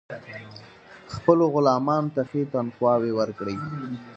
خپلو غلامانو ته ښې تنخواوې ورکړي.